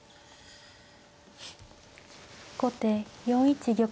後手４一玉。